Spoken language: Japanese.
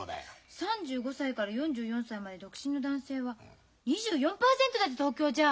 ３５歳から４４歳まで独身の男性は２４％だって東京じゃあ！